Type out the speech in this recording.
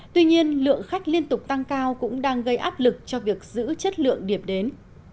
tuy nhiên lượng khách liên tục tăng cao cũng đang gây áp lực cho việc giữ chất lượng điểm đến